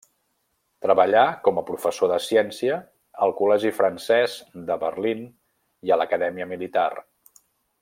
Treballà com a professor de ciència al Col·legi Francès de Berlín i a l'acadèmia militar.